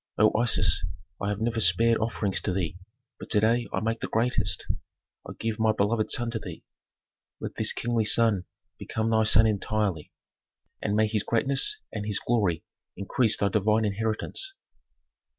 O Isis, I have never spared offerings to thee, but to day I make the greatest; I give my beloved son to thee. Let this kingly son become thy son entirely, and may his greatness and his glory increase thy divine inheritance."